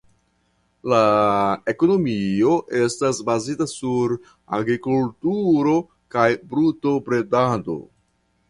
La ekonomio estas bazita sur agrikulturo kaj brutobredado.